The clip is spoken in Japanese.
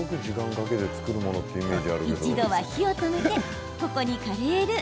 一度、火を止めてここにカレールー。